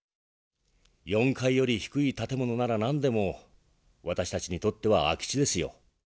４階より低い建物なら何でも私たちにとっては空き地ですよ。